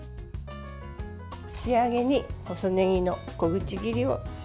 仕上げに細ねぎの小口切りを。